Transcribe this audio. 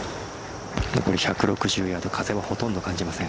残り１６０ヤード風はほとんど感じません。